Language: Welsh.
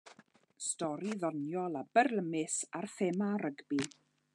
Stori ddoniol a byrlymus ar thema rygbi.